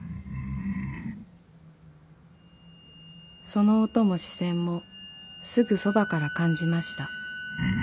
［その音も視線もすぐそばから感じました］